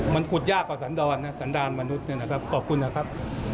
มันขุดยากกว่าสันดรนะสันดารมนุษย์เนี่ยนะครับขอบคุณนะครับ